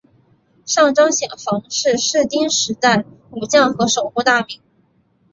上杉显房是室町时代武将和守护大名。